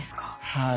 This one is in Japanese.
はい。